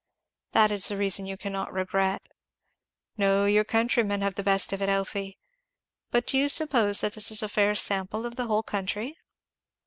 That is a reason you cannot regret. No your countrymen have the best of it, Elfie. But do you suppose that this is a fair sample of the whole country?"